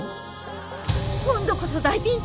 今度こそ大ピンチ！